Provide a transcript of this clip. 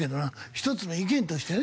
一つの意見としてね。